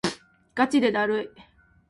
がちでだるい